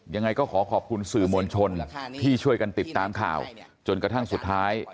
ยังไงก็ขอขอบคุณสื่อมวลชนที่ช่วยกันติดตามข่าวจนกระทั่งสุดท้าย